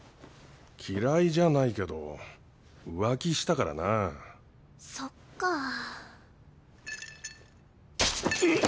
嫌いじゃないけど浮気したかそっかドスッ！